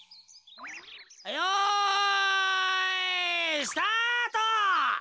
よいスタート！